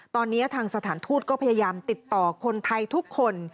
ตอนนี้ทางสถานทูตก็พยายามติดต่อคนไทยทุกคน